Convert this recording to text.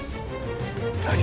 何！？